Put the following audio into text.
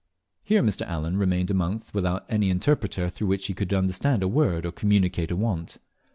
Here Mr. Allen remained a month without any interpreter through whom he could understand a word or communicate a want.